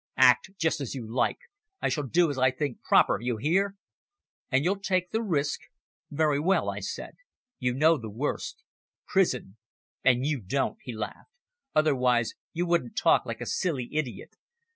"Act just as you like. I shall do as I think proper you hear?" "And you'll take the risk? Very well," I said. "You know the worst prison." "And you don't," he laughed. "Otherwise you wouldn't talk like a silly idiot.